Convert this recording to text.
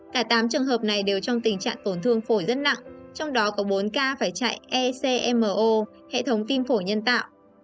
cả tám trường hợp này đều trong tình trạng tổn thương phổi rất nặng trong đó có bốn ca phải chạy ecmo hệ thống tim phổi nhân tạo